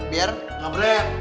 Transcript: biar nggak boleh